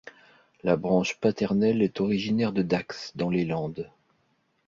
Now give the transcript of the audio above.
La branche paternelle est originaire de Dax, dans les Landes.